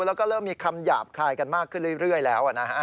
แล้วก็เริ่มมีคำหยาบคายกันมากขึ้นเรื่อยแล้วนะฮะ